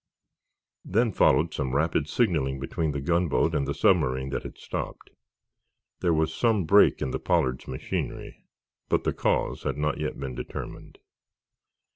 Then followed some rapid signaling between the gunboat and the submarine that had stopped. There was some break in the "Pollard's" machinery, but the cause had not yet been determined.